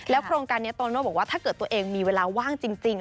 โครงการนี้โตโน่บอกว่าถ้าเกิดตัวเองมีเวลาว่างจริง